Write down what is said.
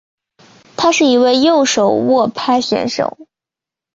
他是一位右手握拍选手。